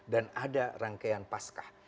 dan ada rangkaian pascah